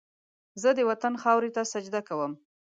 زه د وطن خاورې ته سجده کوم